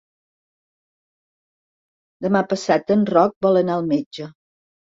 Demà passat en Roc vol anar al metge.